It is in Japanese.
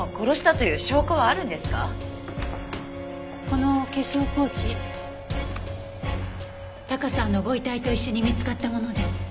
この化粧ポーチタカさんのご遺体と一緒に見つかったものです。